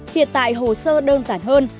hiện tại hồ sơ đơn giản hơn